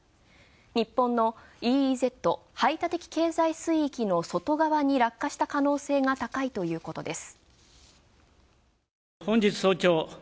日本のＥＥＺ＝排他的経済水域の外側に落下した可能性が高いということです。